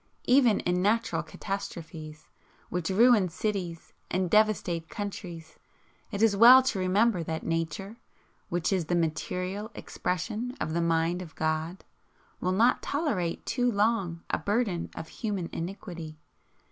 Even in natural catastrophes, which ruin cities and devastate countries, it is well to remember that Nature, which is the MATERIAL EXPRESSION of the mind of God, will not tolerate too long a burden of human iniquity.